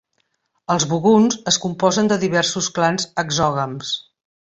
Els buguns es composen de diversos clans exògams.